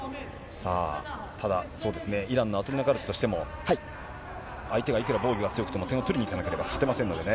さあ、ただイランのアトリナガルチとしても、相手がいくら防御が強くても、点を取りにいかなければ勝てませんのでね。